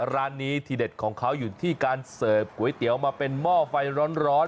ร้านนี้ที่เด็ดของเขาอยู่ที่การเสิร์ฟก๋วยเตี๋ยวมาเป็นหม้อไฟร้อน